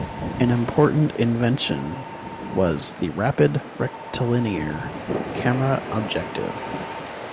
An important invention was the Rapid Rectilinear camera objective.